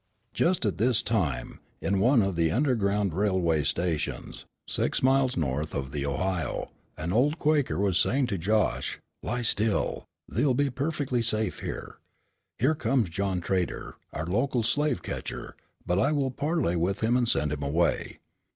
Just at this time, in one of the underground railway stations, six miles north of the Ohio, an old Quaker was saying to Josh: "Lie still, thee'll be perfectly safe there. Here comes John Trader, our local slave catcher, but I will parley with him and send him away.